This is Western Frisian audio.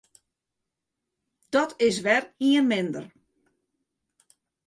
Dat is wer ien minder.